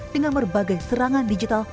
dengan berbagai serangan digital